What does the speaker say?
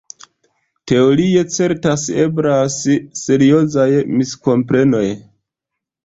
Teorie certas eblas seriozaj miskomprenoj.